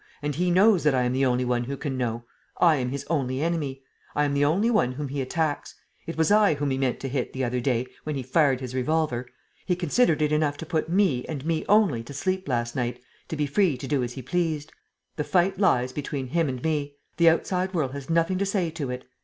And he knows that I am the only one who can know. I am his only enemy. I am the only one whom he attacks. It was I whom he meant to hit, the other day, when he fired his revolver. He considered it enough to put me and me only to sleep, last night, to be free to do as he pleased. The fight lies between him and me. The outside world has nothing to say to it.